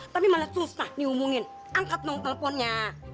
tapi malah susah dihubungin angkat dong teleponnya